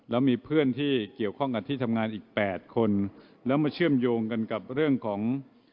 แล้วมีเพื่อนที่เกี่ยวข้องกับที่ทำงานอีก๘คนแล้วมาเชื่อมโยงกันกับเรื่องของ